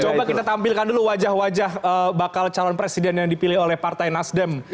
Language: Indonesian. coba kita tampilkan dulu wajah wajah bakal calon presiden yang dipilih oleh partai nasdem